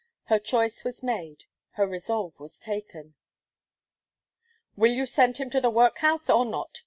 Her choice was made her resolve was taken. "Will you send him to the workhouse, or not?"